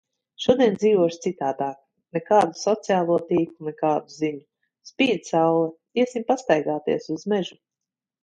Šodien dzīvošu citādāk. Nekādu sociālo tīklu, nekādu ziņu! Spīd saule, iesim pastaigāties. Uz mežu.